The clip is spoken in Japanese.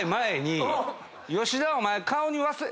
「吉田お前」